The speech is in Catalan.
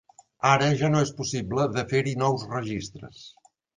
Ara ja no és possible de fer-hi nous registres.